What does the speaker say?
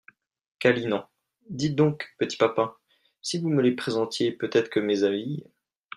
Câlinant. dites donc, petit papa, si vous me les présentiez, peut-être que mes avis…